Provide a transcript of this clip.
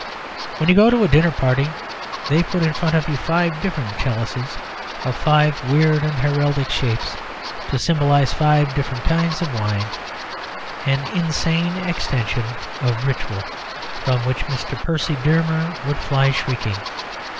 When you go to a dinner party they put in front of you five different chalices, of five weird and heraldic shapes, to symbolise five different kinds of wine; an insane extension of ritual from which Mr. Percy Dearmer would fly shrieking.